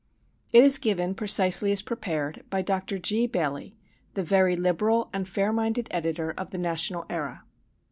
It is given precisely as prepared by Dr. G. Bailey, the very liberal and fair minded editor of the National Era.